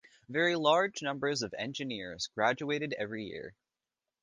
Very large numbers of engineers graduated every year.